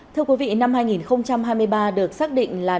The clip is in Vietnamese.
thưa quý vị năm hai nghìn hai mươi ba được xác định là